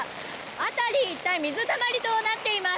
辺り一帯水たまりになっています。